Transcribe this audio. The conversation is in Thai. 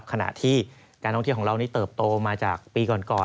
ขณะที่การท่องเที่ยวของเรานี่เติบโตมาจากปีก่อน